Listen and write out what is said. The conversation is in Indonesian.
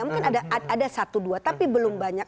mungkin ada satu dua tapi belum banyak